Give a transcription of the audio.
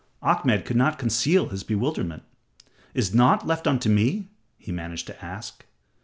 Ahmed could not conceal his bewilderment. "Is naught left unto me?" he managed to ask.